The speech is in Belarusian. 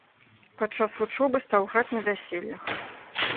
Падчас вучобы стаў граць на вяселлях.